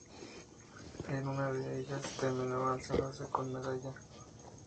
En una de ellas terminó alzándose con medalla.